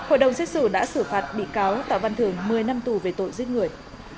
hội đồng xét xử đã xử phạt bị cáo tạ văn thường một mươi năm tù về tội giết người